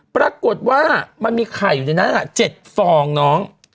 ปรากฏว่ามันมีไข่อยู่ในหน้า๗ฟองน้อง